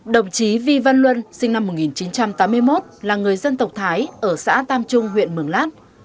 đồng chí vy văn luân sinh năm một nghìn chín trăm tám mươi một là người dân tộc thái ở xã tam trung huyện mường lát